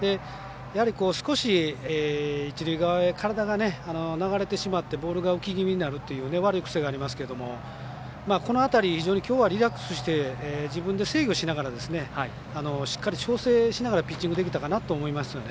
少し一塁側へ体が流れてしまってボールが浮き気味になるという悪い癖がありますけどこの辺り、非常にきょうはリラックスして自分で制御しながらしっかり調整しながらピッチングできたかなと思いますよね。